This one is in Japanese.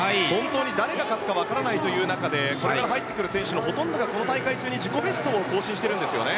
誰が勝つか分からない中これから入ってくる選手のほとんどがこの大会中に自己ベストを更新しているんですよね。